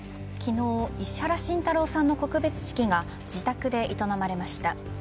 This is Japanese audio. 昨日石原慎太郎さんの告別式が自宅で営まれました。